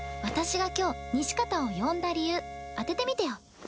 私が今日西片を呼んだ理由当ててみてよ。